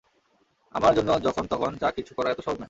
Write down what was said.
আমার জন্য যখন তখন যা কিছু করা এত সহজ নয়।